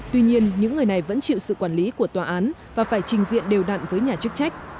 tuy nhiên những người này vẫn chịu sự quản lý của tòa án và phải trình diện đều đặn với nhà chức trách